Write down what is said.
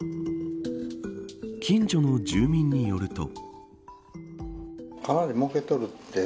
近所の住民によると。